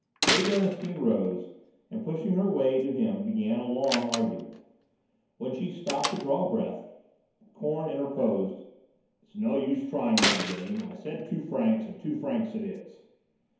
Big Ernestine rose, and pushing her way to him, began a long argument. When she stopped to draw a breath, Korn interposed: "It's no use trying that game. I said two francs and two francs it is."